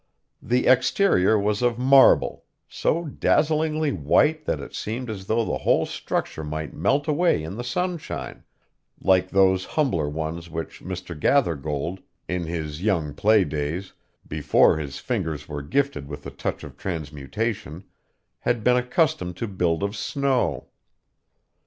The exterior was of marble, so dazzlingly white that it seemed as though the whole structure might melt away in the sunshine, like those humbler ones which Mr. Gathergold, in his young play days, before his fingers were gifted with the touch of transmutation, had been accustomed to build of snow.